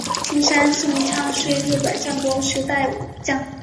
青山信昌是日本战国时代武将。